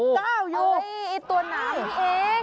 ตัวหนาวนั่นเอง